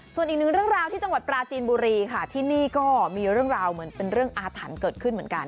ส่วนอีกหนึ่งเรื่องราวที่จังหวัดปราจีนบุรีค่ะที่นี่ก็มีเรื่องราวเหมือนเป็นเรื่องอาถรรพ์เกิดขึ้นเหมือนกัน